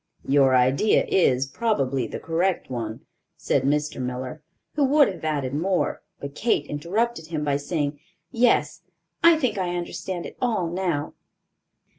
"Your idea is, probably, the correct one," said Mr. Miller, who would have added more, but Kate interrupted him by saying, "Yes, I think I understand it all now.